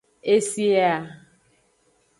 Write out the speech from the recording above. E se a.